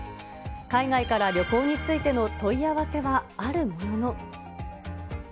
海外から旅行についての問い合わせはあるものの。